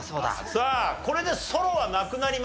さあこれでソロはなくなりました。